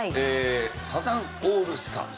サザンオールスターズ。